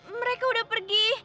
mereka udah pergi